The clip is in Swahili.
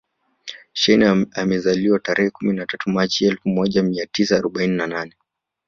Shein amezaliwa tarehe kumi na tatu machi elfu moja mia tisa arobaini na nane